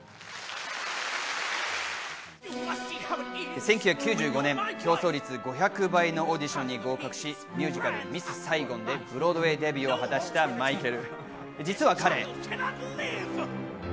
１９９５年、競争率５００倍のオーディションに合格し、ミュージカル『ミス・サイゴン』でブロードウェーデビューを果たしたマイケル。